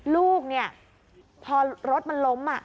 ลูกเนี่ยพอรถมันล้ม